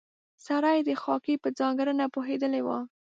سړی د خاکې په ځانګړنه پوهېدلی و.